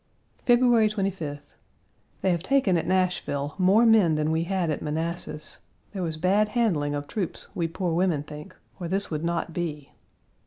February 25th. They have taken at Nashville1 more men than we had at Manassas; there was bad handling of troops, we poor women think, or this would not be.